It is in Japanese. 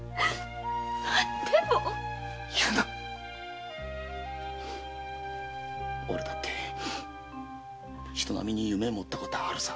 でも言うなおれだって人並みに夢を持ったことはあるさ。